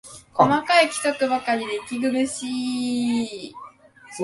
細かい規則ばかりで息苦しい